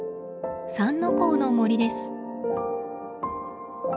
三之公の森です。